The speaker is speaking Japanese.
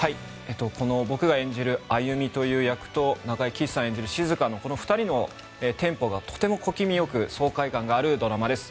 僕が演じる歩という役と中井貴一さんが演じる静という役がこの２人のテンポがとても小気味よく爽快感があるドラマです。